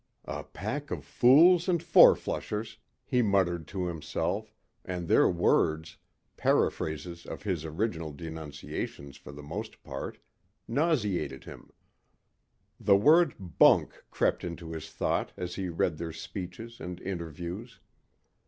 "A pack of fools and fourflushers," he muttered to himself and their words paraphrases of his original denunciations for the most part nauseated him. The word "bunk" crept into his thought as he read their speeches and interviews.